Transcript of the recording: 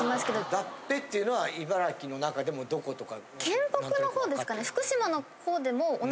「だっぺ」っていうのは茨城の中でもどことか。